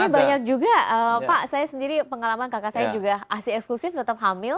tapi banyak juga pak saya sendiri pengalaman kakak saya juga asli eksklusif tetap hamil